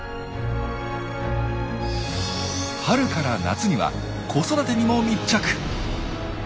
春から夏には子育てにも密着。